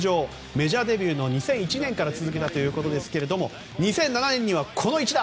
メジャーデビューの２００１年から続けたということですけれども２００７年には、この一打。